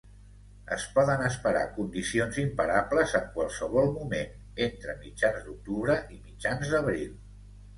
Es poden esperar condicions imparables en qualsevol moment, entre mitjans d'octubre i mitjans d'abril.